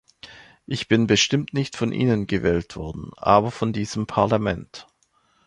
Ich bin bestimmt nicht von Ihnen gewählt worden, aber von diesem Parlament.